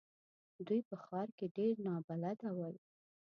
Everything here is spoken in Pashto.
دوی په ښار کې ډېر نابلده ول.